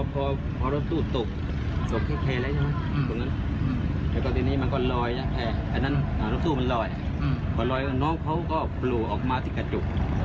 พอรอยน้องเขาก็ปลูออกมาที่กระจุ